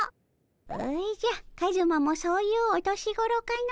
おじゃカズマもそういうお年頃かの。